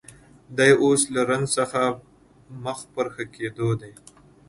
دی اوس له زنځ څخه مخ پر ښه کېدو دی